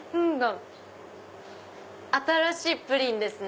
新しいプリンですね。